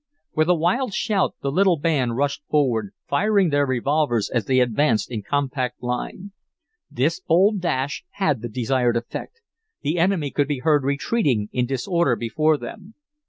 With a wild shout, the little band rushed forward, firing their revolvers as they advanced in compact line. This bold dash had the desired effect. The enemy could be heard retreating in disorder before them.